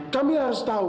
kamila harus tahu